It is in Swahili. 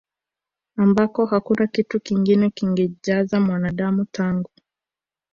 ambako hakuna kitu kingine kingejaza Mwanadamu tangu